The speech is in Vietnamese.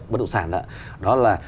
bất động sản đó là